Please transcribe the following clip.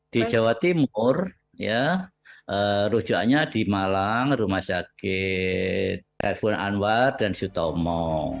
di jawa timur rujukannya di malang rumah sakit ervan anwar dan sutomo